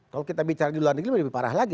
kalau kita bicara di luar negeri lebih parah lagi